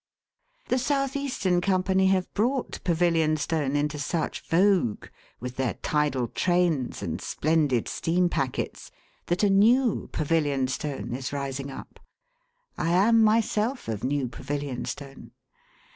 The South Eastern Company have brought Pavilionstone into such vogue, with their tidal trains and splendid steam packets, that a new Pavilionstone is rising up. I am, myself, of New Pavilionstone.